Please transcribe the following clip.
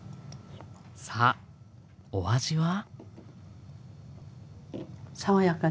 さあお味は？